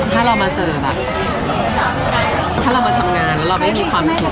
ถ้าเรามาเสิร์ฟถ้าเรามาทำงานแล้วเราไม่มีความสุข